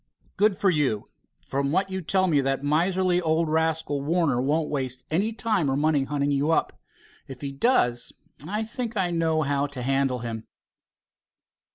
"Good for you. From what you tell me, that miserly old rascal, Warner, won't waste any time or money hunting you up. If he does, I think I know how to handle him."